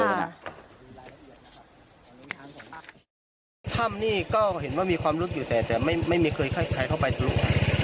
ถ้ำนี่ก็เห็นว่ามีความลุกอยู่แต่แต่ไม่เคยใครเข้าไปดู